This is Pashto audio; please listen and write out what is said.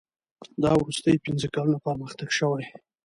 دا وروستي پنځه کلونه پرمختګ شوی.